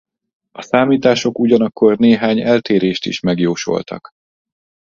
A számítások ugyanakkor néhány eltérést is megjósoltak.